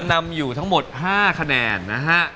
นำอยู่ทั้งหมด๕คะแนนนะฮะ